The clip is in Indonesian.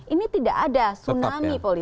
ini tidak ada tsunami poli